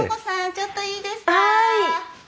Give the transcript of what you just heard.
ちょっといいですか？